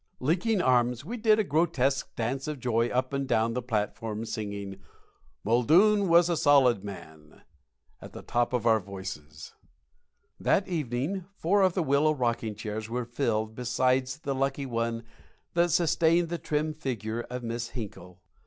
Linking arms, we did a grotesque dance of joy up and down the platform, singing "Muldoon Was a Solid Man" at the top of our voices. That evening four of the willow rocking chairs were filled besides the lucky one that sustained the trim figure of Miss Hinkle.